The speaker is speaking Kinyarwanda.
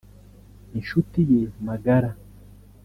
inshuti ye magara